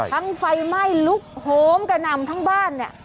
ไฟไหม้ลุกโหมกระหน่ำทั้งบ้านเนี่ย